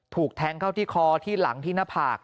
ถูกแทงเข้าที่คอที่หลังที่หน้าผาก